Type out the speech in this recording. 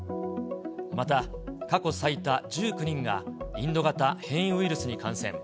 また過去最多１９人が、インド型変異ウイルスに感染。